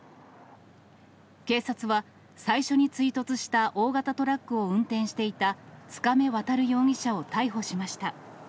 警察は、最初に追突した大型トラックを運転していた、塚目わたる容疑者を逮捕しました。